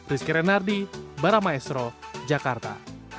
rizky renardi baramaestro jakarta